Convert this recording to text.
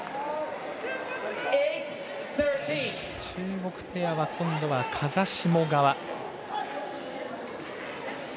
中国ペアは今度は風下側。